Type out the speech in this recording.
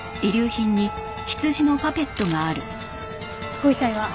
ご遺体は？